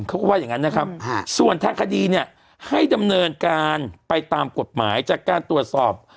เขาก็ว่าอย่างนั้นนะครับส่วนทางคดีเนี่ยให้ดำเนินการไปตามกฎหมายจากการตรวจสอบ